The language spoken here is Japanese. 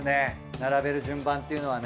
並べる順番っていうのはね。